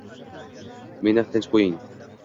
Meni tinch qo’ying!